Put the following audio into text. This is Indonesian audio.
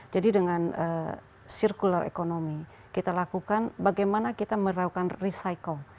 jadi dengan circular economy kita lakukan bagaimana kita merawakan recycle